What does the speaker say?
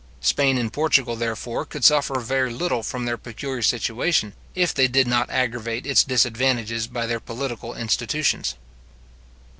Spain and Portugal, therefore, could suffer very little from their peculiar situation, if they did not aggravate its disadvantages by their political institutions.